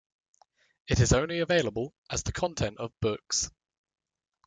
It is only available as the content of books.